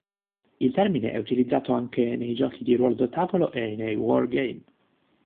Il termine è utilizzato anche nei giochi di ruolo da tavolo e nei wargame.